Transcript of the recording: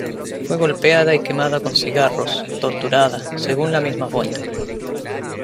Fue golpeada y quemada con cigarros -torturada-, según la misma fuente.